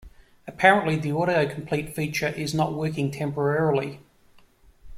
Apparently, the autocomplete feature is not working temporarily.